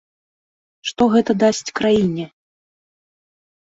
Што гэта дасць краіне?